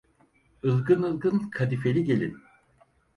Ilgın ılgın kadifeli gelin.